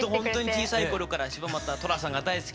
小さいころから柴又寅さんが大好きで。